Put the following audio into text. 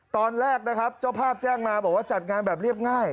ตอนแรกนะครับเจ้าภาพแจ้งมาบอกว่าจัดงานแบบเรียบง่าย